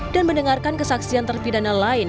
dan mendengarkan kesaksian terpidana lain